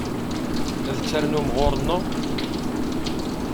Ad d-ternum ɣer-neɣ?